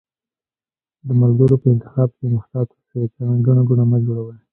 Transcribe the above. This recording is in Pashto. د ملګرو په انتخاب کښي محتاط اوسی، ګڼه ګوڼه مه جوړوی